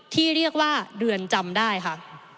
ที่เรียกว่าเรือนจำได้ค่ะ